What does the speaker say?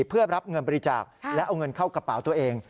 เพื่อรับเงินบริจาคและเอาเงินเข้ากระเป๋าตัวเอง